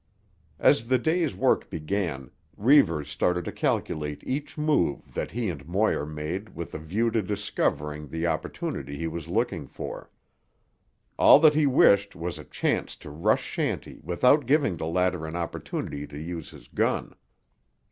As the day's work began, Reivers started to calculate each move that he and Moir made with a view to discovering the opportunity he was looking for. All that he wished was a chance to rush Shanty without giving the latter an opportunity to use his gun.